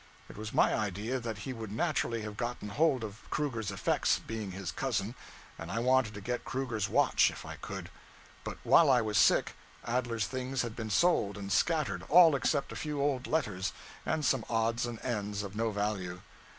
It was my idea that he would naturally have gotten hold of Kruger's effects, being his cousin; and I wanted to get Kruger's watch, if I could. But while I was sick, Adler's things had been sold and scattered, all except a few old letters, and some odds and ends of no value.